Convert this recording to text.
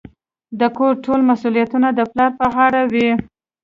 د کور ټول مسوليتونه د پلار په غاړه وي.